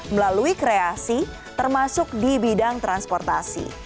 melalui kreasi termasuk di bidang transportasi